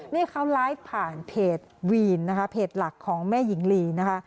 นี่เขาไลฟ์ผ่านเพจวีนนะคะเพจหลักของแม่หญิงลีนะคะ